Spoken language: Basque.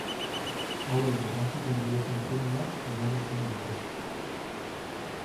Hauei erantzuten dieten zelulak diana izena dute.